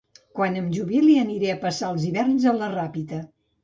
Quan em jubili aniré a passar els hiverns a la Ràpita